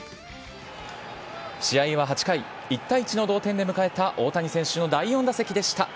試合は８回、１対１の同点で迎えた大谷選手の第４打席でした。